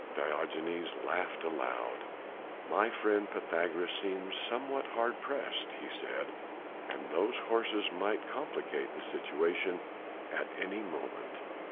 Diogenes laughed aloud. "My friend Pythagoras seems somewhat hard pressed," he said, "and those horses might complicate the situation at any moment.